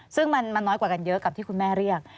ซึ่งมันน้อยกว่ากันเยอะกับที่คุณแม่เรียก